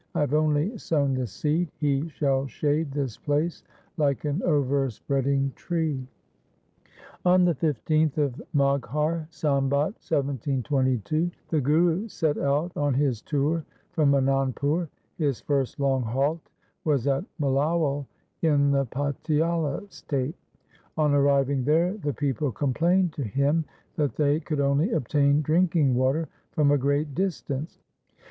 I have only sown the seed ; he shall shade this place like an overspreading tree.' On the 15th of Maghar, Sambat 1722, the Guru set out on his tour from Anandpur. His first long halt was at Mulowal in the Patiala State. On arriving there the people complained to him that they could only obtain drinking water from a great distance.